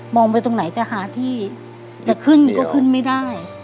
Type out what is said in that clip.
ไปตรงไหนจะหาที่จะขึ้นก็ขึ้นไม่ได้